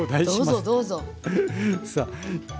どうぞどうぞ。